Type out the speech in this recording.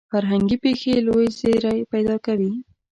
فرهنګي پېښې لوی زیری پیدا کوي.